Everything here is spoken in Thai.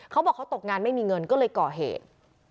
เขาบอกเขาตกงานไม่มีเงินก็เลยก่อเหตุ